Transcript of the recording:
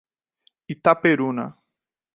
Itaperuna